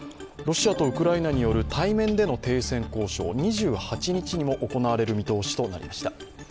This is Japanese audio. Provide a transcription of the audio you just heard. ロシアとウクライナによる対面での停戦交渉、２８日にも行われる見通しとなりました。